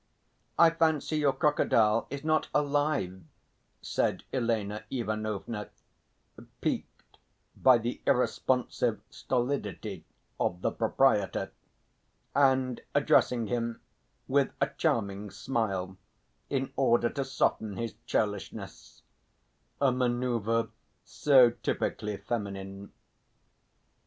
"I fancy your crocodile is not alive," said Elena Ivanovna, piqued by the irresponsive stolidity of the proprietor, and addressing him with a charming smile in order to soften his churlishness a manoeuvre so typically feminine.